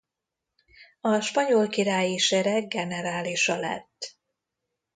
A spanyol királyi sereg generálisa lett.